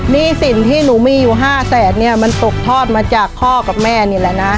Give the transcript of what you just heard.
หนี้สินที่หนูมีอยู่๕แสนเนี่ยมันตกทอดมาจากพ่อกับแม่นี่แหละนะ